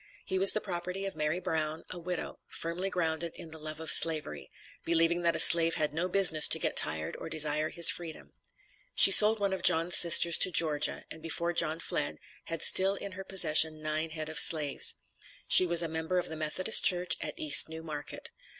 He was the property of Mary Brown, a widow, firmly grounded in the love of Slavery; believing that a slave had no business to get tired or desire his freedom. She sold one of John's sisters to Georgia, and before John fled, had still in her possession nine head of slaves. She was a member of the Methodist church at East New Market.